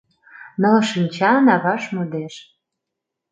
Ныл шинчана ваш модеш.